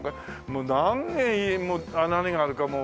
もう何軒家もう何があるかも。